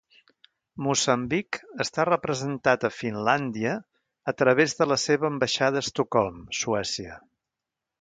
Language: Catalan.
Moçambic està representat a Finlàndia a través de la seva ambaixada a Estocolm, Suècia.